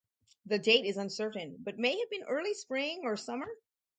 The date is uncertain, but may have been early Spring, or summer.